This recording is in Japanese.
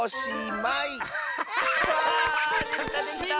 できたできた！